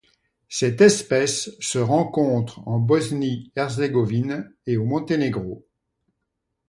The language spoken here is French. Cette espèce se rencontre en Bosnie-Herzégovine et au Monténégro.